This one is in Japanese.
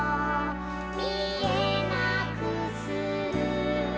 「みえなくする」